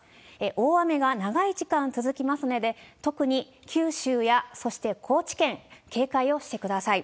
大雨が長い時間続きますので、特に九州や、そして高知県、警戒をしてください。